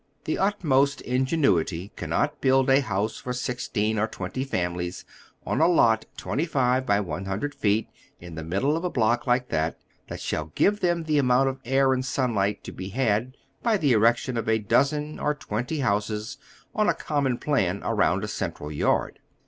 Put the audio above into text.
The utmost ingenu ity cannot build a house for sixteen or twenty families on a lot 25 X 100 feet in tlie middle of a block like it, that shall give them the amount of air and sunlight to be had by the erection of a dozen or twenty houses on a common plan around a central yard.